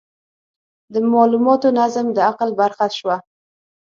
د مالوماتو نظم د عقل برخه شوه.